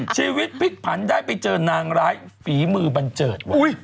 ชีวิตพลิกผันได้ไปเจอนางร้ายฝีมือบันเจิดว่ะ